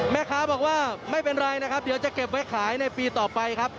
แม่ค้าบอกว่าไม่เป็นไรนะครับเดี๋ยวจะเก็บไว้ขายในปีต่อไปครับ